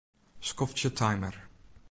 Skoftsje timer.